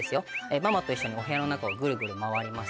ママと一緒にお部屋の中をぐるぐる回ります。